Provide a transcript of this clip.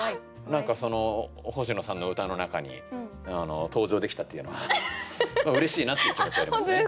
何かその星野さんの歌の中に登場できたっていうのはうれしいなっていう気持ちはありますね。